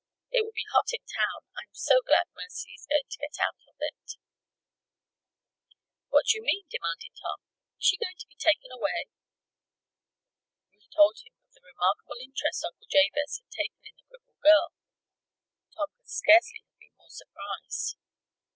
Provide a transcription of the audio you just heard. "It will be hot in town. I'm so glad Mercy is going to get out of it." "What do you mean?" demanded Tom. "Is she going to be taken away?" Ruth told him of the remarkable interest Uncle Jabez had taken in the crippled girl. Tom could scarcely have been more surprised.